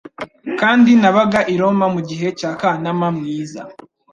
kandi nabaga i Roma mugihe cya Kanama mwiza